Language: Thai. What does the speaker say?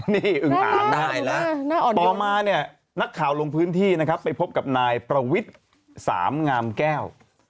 นี่อึงอ่างต่อมานักข่าวลงพื้นที่ไปพบกับนายประวิทร์๓งามแก้ว